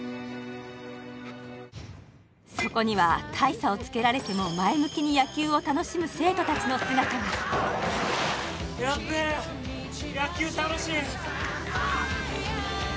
そこには大差をつけられても前向きに野球を楽しむ生徒たちの姿がやっべえ野球楽しい！